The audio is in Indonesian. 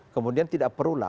kemudian tidak perulah